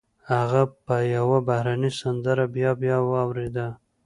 هغه به يوه بهرنۍ سندره بيا بيا اورېده.